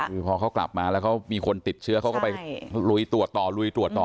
คือพอเขากลับมาแล้วเขามีคนติดเชื้อเขาก็ไปลุยตรวจต่อลุยตรวจต่อ